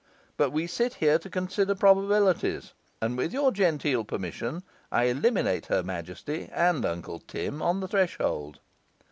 But we sit here to consider probabilities; and with your genteel permission, I eliminate her Majesty and Uncle Tim on the threshold.